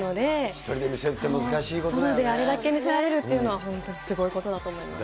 １人で見せるって難しいことソロであれだけ見せられるっていうのは、本当、すごいことだと思います。